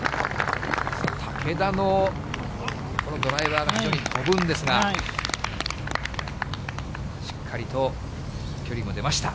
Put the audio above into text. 竹田のこのドライバーが非常に飛ぶんですが、しっかりと距離も出ました。